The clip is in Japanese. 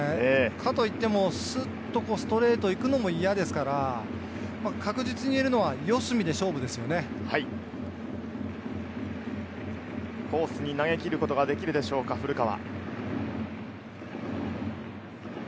かといって、スッとストレート行くのも嫌ですから、確実に言えるコースに投げきることができるでしょうか、古川。